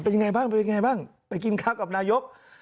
เป็นอย่างไรบ้างไปกินคักกับนายก